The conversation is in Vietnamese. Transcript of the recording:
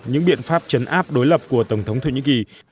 những biện pháp chấn áp đối lập của tổng thống thổ nhĩ kỳ